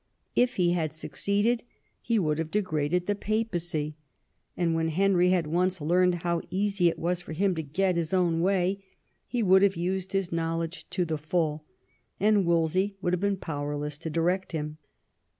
If he had succeeded he would have degraded the Papacy ; and when Henry had once learned how easy it was for him to get his own way, he would have used his knowledge to the full, and Wolsey would have been powerless to direct him.